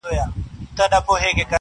نن ځم له لېونو څخه به سوال د لاري وکم!